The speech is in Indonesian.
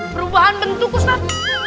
perubahan bentuk ustad